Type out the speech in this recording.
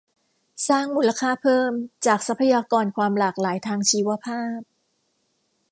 สร้างมูลค่าเพิ่มจากทรัพยากรความหลากหลายทางชีวภาพ